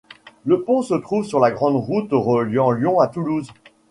Le pont se trouve sur la grande route reliant Lyon à Toulouse.